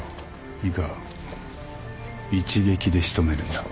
いいか一撃で仕留めるんだ。